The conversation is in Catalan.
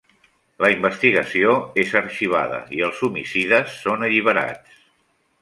La investigació és arxivada i els homicides són alliberats.